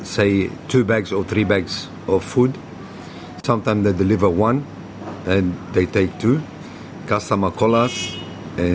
pemilik menghubungi kami dan mereka mengatakan kita hanya mendapatkan satu bagian dari pesanan